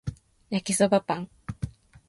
焼きそばパン